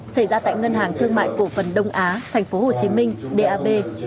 xảy ra tại ngân hàng thương mại cổ phần đông á tp hcm dap